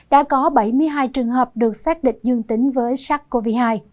đã có bảy mươi hai trường hợp được xác định dương tính với sars cov hai